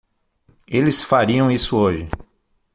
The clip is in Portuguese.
Eles fariam isso hoje.